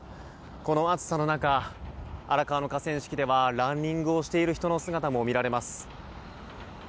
この暑さの中荒川の河川敷ではランニングをしている人の姿も見られます。